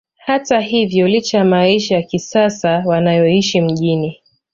Hata hivyo licha ya maisha ya kisasa wanayoishi mjini